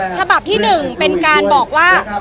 ฉบับที่๑เป็นการบอกว่า